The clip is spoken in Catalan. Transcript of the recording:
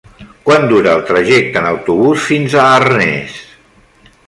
Quant dura el trajecte en autobús fins a Arnes?